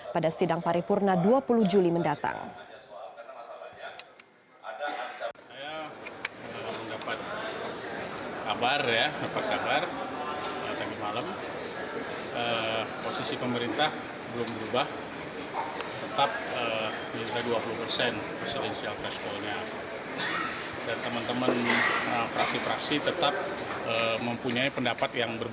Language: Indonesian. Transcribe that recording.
pada sidang paripurna dua puluh juli mendatang